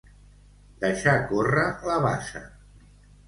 Deixar córrer la basa.